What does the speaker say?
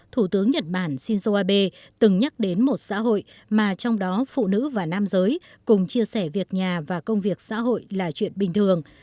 thủ tướng nhật bản shinzo abe từng nhắc đến một xã hội mà trong đó phụ nữ và nam giới cùng chia sẻ việc nhà và công việc xã hội là chuyện bình thường